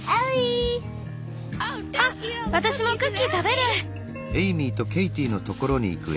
あっ私もクッキー食べる！